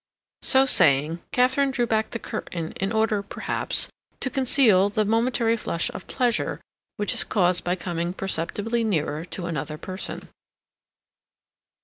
So saying, Katharine drew back the curtain in order, perhaps, to conceal the momentary flush of pleasure which is caused by coming perceptibly nearer to another person.